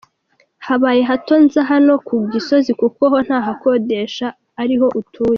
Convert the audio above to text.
Habaye hato nza hano ku Gisozi kuko ho ntahakodesha ariho ntuye.